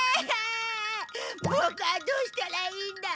ボクはどうしたらいいんだ。